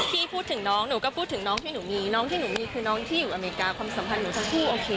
ที่พูดถึงน้องหนูก็พูดถึงน้องที่หนูมีน้องที่หนูมีคือน้องที่อยู่อเมริกาความสัมพันธ์หนูทั้งคู่โอเค